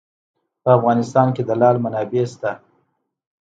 په افغانستان کې د لعل منابع شته.